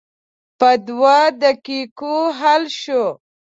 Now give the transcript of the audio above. په دوه دقیقو حل شوه.